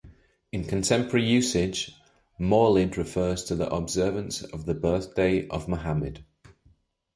In contemporary usage, Mawlid refers to the observance of the birthday of Muhammad.